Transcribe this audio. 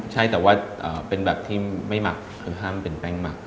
ใช่แต่ว่าเป็นแบบที่ไม่หมักคือห้ามเป็นแป้งหมัก